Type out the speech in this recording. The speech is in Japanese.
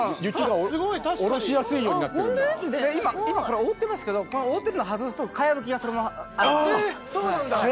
今これは覆ってますけど覆ってるのを外すと茅葺きがそのまま。